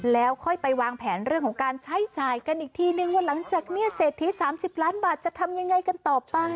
แล้วค่อยไปวางแผนเรื่องของการใช้จ่ายกันอีกทีนึงว่าหลังจากนี้เศรษฐี๓๐ล้านบาทจะทำยังไงกันต่อไป